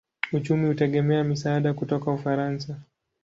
Uchumi hutegemea misaada kutoka Ufaransa.